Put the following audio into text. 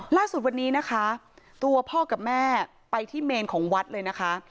ล่าสุดวันนี้นะคะตัวพ่อกับแม่ไปที่เมนของวัดเลยนะคะ